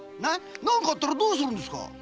何かあったらどうするんですか